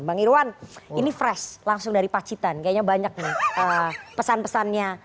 bang irwan ini fresh langsung dari pacitan kayaknya banyak nih pesan pesannya